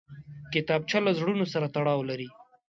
کتابچه له زړونو سره تړاو لري